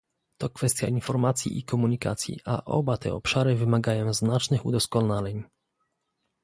To kwestia informacji i komunikacji, a oba te obszary wymagają znacznych udoskonaleń